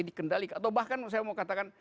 dikendalikan atau bahkan saya mau katakan